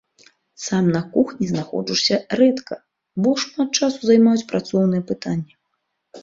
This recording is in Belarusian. Сам на кухні знаходжуся рэдка, бо шмат часу займаюць працоўныя пытанні.